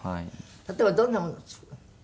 例えばどんなものを作るの？